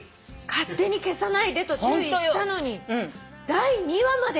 「勝手に消さないでと注意したのに第２話まで消してしまいました」